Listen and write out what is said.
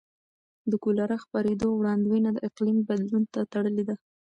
د کولرا خپرېدو وړاندوینه د اقلیم بدلون ته تړلې ده.